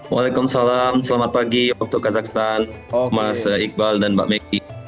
waalaikumsalam selamat pagi waktu kazakhstan mas iqbal dan mbak megi